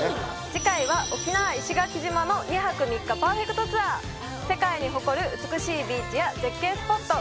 次回は沖縄石垣島の２泊３日パーフェクトツアー世界に誇る美しいビーチや絶景スポット